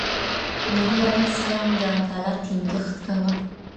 نبي علیه سلام د عدالت ټینګښت کاوه.